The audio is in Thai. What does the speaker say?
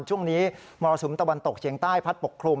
ช่วงนี้มรสุมตะวันตกเฉียงใต้พัดปกคลุม